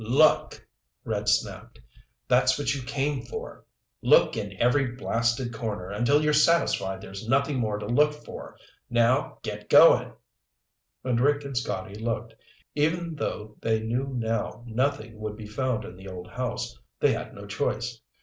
"Look," Red snapped. "That's what you came for. Look in every blasted corner until you're satisfied there's nothin' more to look for. Now get goin'!" And Rick and Scotty looked. Even though they knew now nothing would be found in the old house, they had no choice.